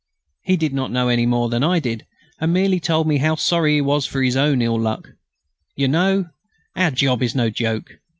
He did not know any more than I did, and merely told me how sorry he was for his own ill luck: "You know, our job is no joke.